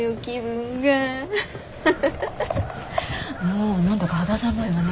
あ何だか肌寒いわね